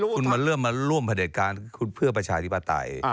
คุณมาเริ่มมาร่วมประเด็จการคุณเพื่อประชาธิปไตย